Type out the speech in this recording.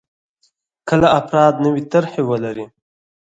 کله افراد نوې طرحې ولري.